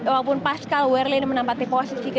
mungkin pascal wehrlein menempati posisi ke delapan